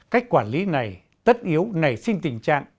cách quản lý này tất yếu nảy sinh tình trạng